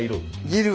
いる！